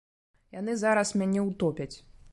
Яны зараз мяне ўтопяць.